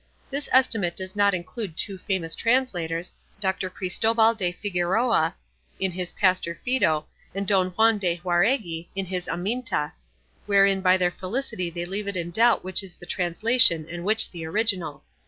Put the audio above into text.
This estimate does not include two famous translators, Doctor Cristobal de Figueroa, in his Pastor Fido, and Don Juan de Jauregui, in his Aminta, wherein by their felicity they leave it in doubt which is the translation and which the original.